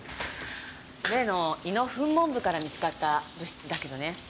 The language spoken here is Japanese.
例の胃の噴門部から見つかった物質だけどね